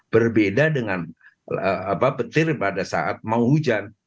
berbeda dengan petir pada saat mau hujan